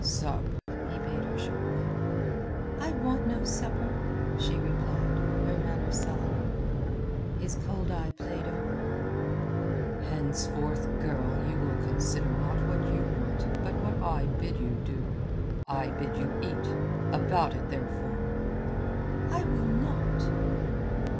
"Sup," he bade her shortly. "I want no supper," she replied, her manner sullen. His cold eye played over her. "Henceforth, girl, you will consider not what you want, but what I bid you do. I bid you eat; about it, therefore." "I will not."